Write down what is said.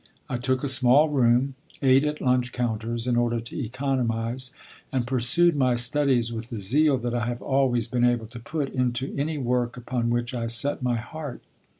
I took a small room, ate at lunch counters, in order to economize, and pursued my studies with the zeal that I have always been able to put into any work upon which I set my heart.